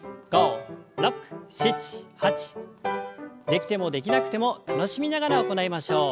できてもできなくても楽しみながら行いましょう。